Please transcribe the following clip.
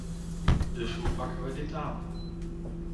Dus hoe pakken we dit aan?